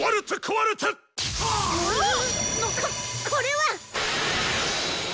ここれは！